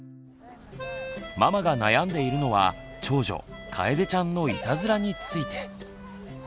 ママが悩んでいるのは長女かえでちゃんのいたずらについて。